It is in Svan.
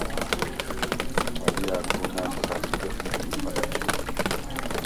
ალჲა̈რ გუნ ა̈დსა̈სტკეხ მიშგუ ქა ლიჩედ.